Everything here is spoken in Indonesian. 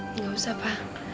gak usah papa